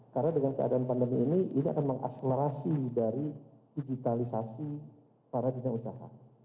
karena dengan keadaan pandemi ini ini akan mengakselerasi dari digitalisasi para jenis usaha